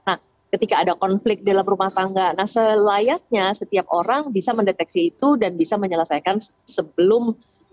nah ketika ada konflik dalam rumah tangga nah selayaknya setiap orang bisa mendeteksi itu dan bisa menyelesaikan sebelum